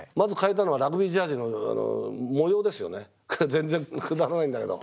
全然くだらないんだけど。